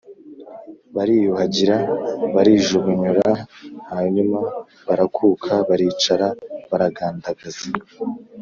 bariyuhagira barijogonyora, hanyuma barakuka baricara baragandagaza.